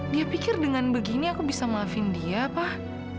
dia pikir dengan begini aku bisa maafin dia pak